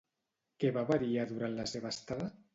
Què va variar durant la seva estada?